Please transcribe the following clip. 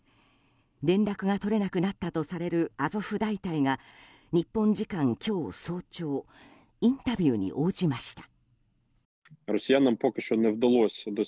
連絡が取れなくなったとされるアゾフ大隊が日本時間今日早朝インタビューに応じました。